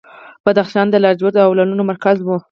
بدخشان د لاجوردو او لعلونو مرکز و